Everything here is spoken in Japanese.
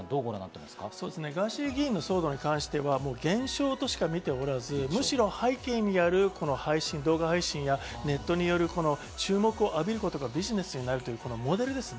ガーシー議員の騒動については現象としか見ておらず、むしろ背景にある、この動画配信やネットによる注目を浴びることがビジネスになるというモデルですね。